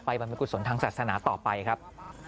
เพราะฉะนั้นรับศพไปบรรมกุศลทางศาสนาต่อไปครับ